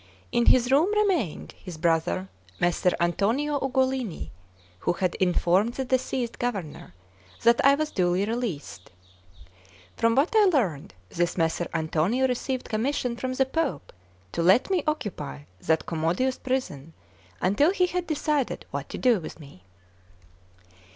In his room remained his brother, Messer Antonio Ugolini, who had informed the deceased governor that I was duly released. From what I learned, this Messer Antonio received commission from the Pope to let me occupy that commodious prison until he had decided what to do with me.